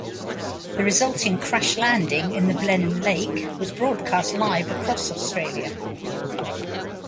The resulting crash landing in the Blenheim lake was broadcast live across Australia.